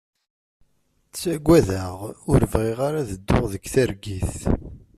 Ttagadeɣ ur bɣiɣ ara ad dduɣ deg targit.